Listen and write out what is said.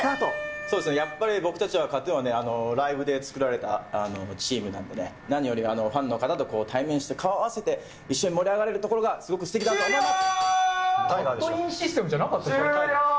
そうですね、やっぱり僕たちは、ＫＡＴーＴＵＮはね、ライブで作られたチームなんでね、何よりファンの方と対面して顔を合わせて、一緒に盛り上がれるところがすごくすてきだと思います。